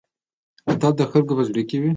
اتل د خلکو په زړه کې وي